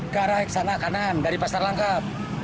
ke arah sana kanan dari pasar langkap